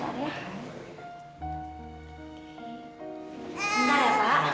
bisa ya pak